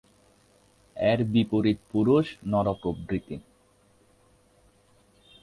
এর বিপরীত পুরুষ, নর প্রভৃতি।